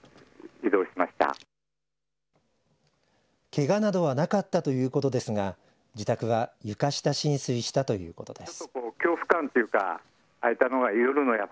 けがなどはなかったということですが自宅が床下浸水したということです。